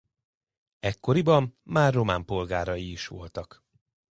Ekkoriban már román polgárai is voltak.